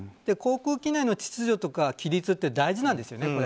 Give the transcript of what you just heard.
航空機内の秩序や規律って大事なんですよね。